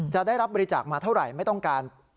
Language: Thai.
จะได้รับบริจาคมาเท่าไหร่ไม่ต้องการ